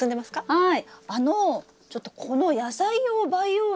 はい。